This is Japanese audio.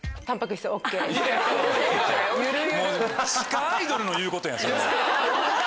地下アイドルの言うことやん。